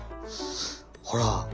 ほら！